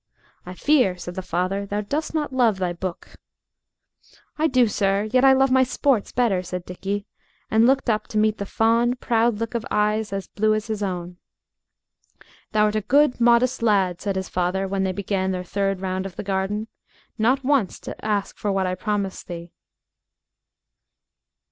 "I fear," said the father, "thou dost not love thy book." "I do, sir; yet I love my sports better," said Dickie, and looked up to meet the fond, proud look of eyes as blue as his own. "Thou'rt a good, modest lad," said his father when they began their third round of the garden, "not once to ask for what I promised thee."